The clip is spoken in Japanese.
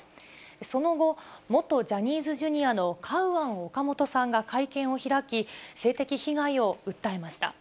その後、元ジャニーズＪｒ．のカウアン・オカモトさんが会見を開き、性的被害を訴えました。